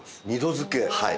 はい。